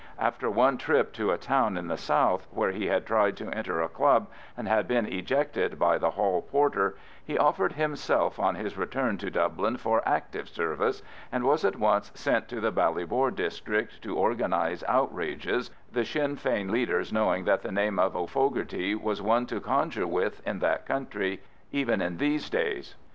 After one trip to a town in the south, where he had tried to enter a club, and had been ejected by the hall porter, he offered himself on his return to Dublin for "active service," and was at once sent to the Ballybor district to organise outrages, the Sinn Fein leaders knowing that the name of O'Fogarty was one to conjure with in that country even in these days.